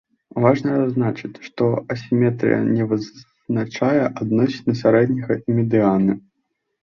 Важна адзначыць, што асіметрыя не вызначае адносіны сярэдняга і медыяны.